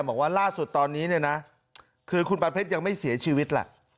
บอกว่าล่าสุดตอนนี้เนี่ยนะคือคุณปานเพชรยังไม่เสียชีวิตแหละ